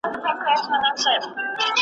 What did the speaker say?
د څرمني بوی یې پزي ته په کار وو .